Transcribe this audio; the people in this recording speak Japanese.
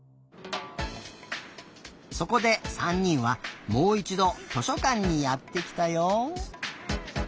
そこで３にんはもういちど図書かんにやってきたよ！